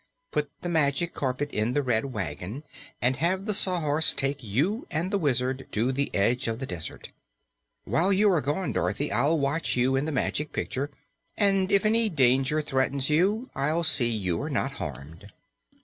Put the Magic Carpet in the Red Wagon and have the Sawhorse take you and the Wizard to the edge of the desert. While you are gone, Dorothy, I'll watch you in the Magic Picture, and if any danger threatens you I'll see you are not harmed."